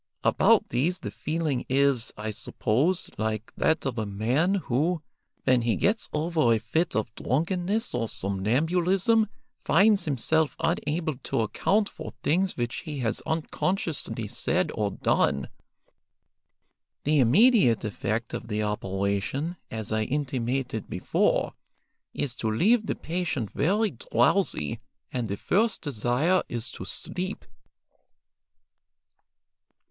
About these the feeling is, I suppose, like that of a man who, when he gets over a fit of drunkenness or somnambulism, finds himself unable to account for things which he has unconsciously said or done. The immediate effect of the operation, as I intimated before, is to leave the patient very drowsy, and the first desire is to sleep."